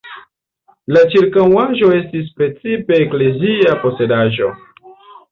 La ĉirkaŭaĵo estis precipe eklezia posedaĵo.